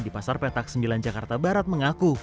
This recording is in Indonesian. di pasar petak sembilan jakarta barat mengaku